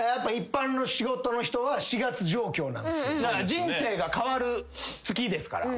人生が変わる月ですから。